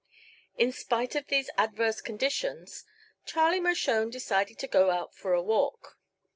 In spite of these adverse conditions Charlie Mershone decided to go out for a walk.